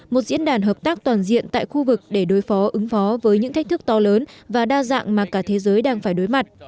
một diễn đàn hợp tác toàn diện tại khu vực để đối phó ứng phó với những thách thức to lớn và đa dạng mà cả thế giới đang phải đối mặt